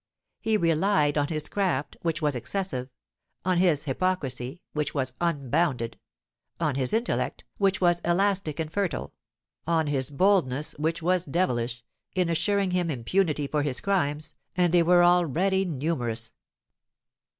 He relied on his craft, which was excessive; on his hypocrisy, which was unbounded; on his intellect, which was elastic and fertile; on his boldness, which was devilish, in assuring him impunity for his crimes, and they were already numerous.